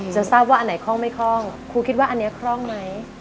จะทราบว่าอันไหนคล่องไม่คล่องครูคิดว่าอันนี้คล่องไหม